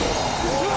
うわ！